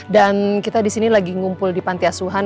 dan kita disini lagi ngumpul di pantiasuhan